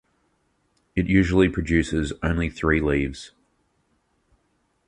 It usually produces only three leaves.